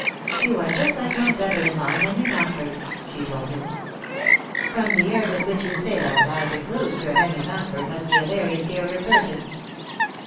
"You are just like my brother in law, Henry Mountford," she told him. " From the air with which you say that, I conclude Sir Henry Mocntford must be a very inferior person."